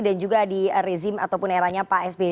dan juga di rezim ataupun eranya pak sby